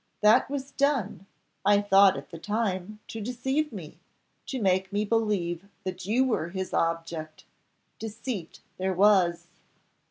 That was done, I thought at the time, to deceive me, to make me believe that you were his object. Deceit there was."